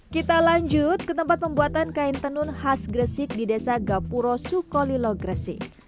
kita lanjut ke tempat pembuatan kain tenun khas gresik di desa gapuro sukolilo gresik